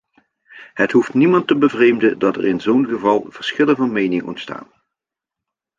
Het hoeft niemand te bevreemden dat er in zo'n geval verschillen van mening ontstaan.